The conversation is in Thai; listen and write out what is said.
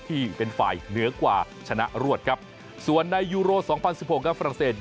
ที่เป็นฝ่ายเหนือกว่าชนะรวดครับส่วนในยูโร๒๐๑๖ครับฝรั่งเศส